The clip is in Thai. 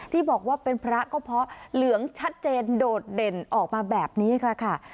ที่บอกว่าเป็นพระก็เพราะเหลืองชัดเจนโดดเด่นออกมาแบบนี้ค่ะ